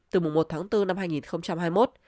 từ mùng một tháng bốn năm hai nghìn hai mươi một